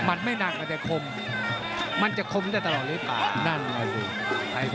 มัดไม่หนักแต่คมมันจะคมได้ตลอดเลยค่ะ